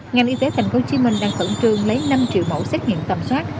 ngành y tế tp hcm đang khẩn trương lấy năm triệu mẫu xét nghiệm tầm soát